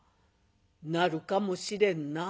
「なるかもしれんなあ」。